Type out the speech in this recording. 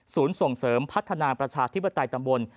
ศูนย์ส่งเสริมพัฒนาประชาธิบดัติตำบล